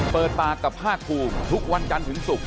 เปิดปากกับภาคภูมิทุกวันจันทร์ถึงศุกร์